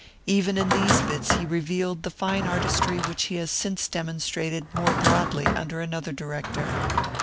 Even in these bits he revealed the fine artistry which he has since demonstrated more broadly under another director.